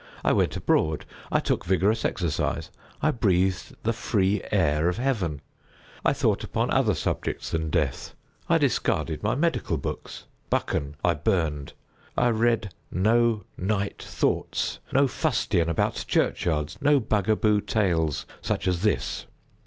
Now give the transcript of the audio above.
I went abroad. I took vigorous exercise. I breathed the free air of Heaven. I thought upon other subjects than Death. I discarded my medical books. "Buchan" I burned. I read no "Night Thoughts"—no fustian about churchyards—no bugaboo tales—such as this.